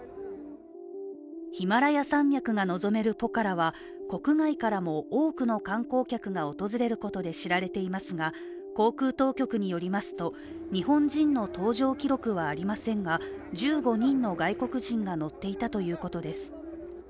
ヒマラヤ山脈が望めるポカラは国外からも多くの観光客が訪れることで知られていますが航空当局によりますと、日本人の搭乗記録はありませんが１５人の外国人が乗っていたということです。